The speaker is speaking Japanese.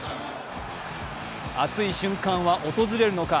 熱い瞬間は訪れるのか。